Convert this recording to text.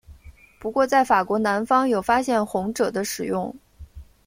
不过在法国南方有发现红赭的使用。